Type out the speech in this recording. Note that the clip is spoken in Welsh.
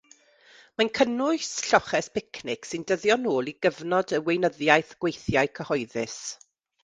Mae'n cynnwys lloches picnic sy'n dyddio'n ôl i gyfnod y Weinyddiaeth Gweithiau Cyhoeddus.